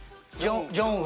ジョンウ。